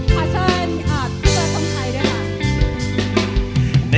ขอเชิญอาทิตย์สำคัญด้วยค่ะ